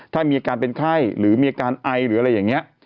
ถ้ามีอาการเป็นไข้หรือมีอาการไอหรืออะไรอย่างนี้